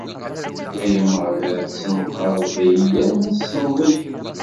Ay Ameɣlal, tessenqadeḍ-iyi yerna tessneḍ-iyi.